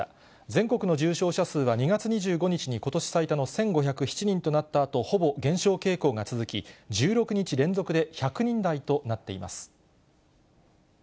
全国の重症者数は、２月２５日にことし最多の１５０７人となったあと、ほぼ減少傾向が続き、１６日連続で１００人台となっています。